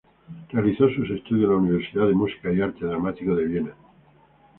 Realizó sus estudios en la Universidad de Música y Arte Dramático de Viena.